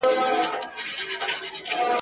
ستا د زړه په ژورو کي هم یوه شپه روانه وي